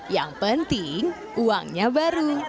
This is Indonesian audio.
yang penting uangnya baru